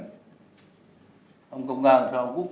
ông công an làm sao ông quốc phòng làm sao nhưng bộ ta làm sao